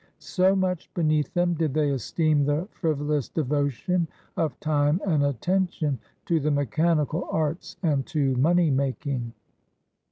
So much beneath them did they esteem the frivo lous devotion of time and attention to the mechanical arts and to money making.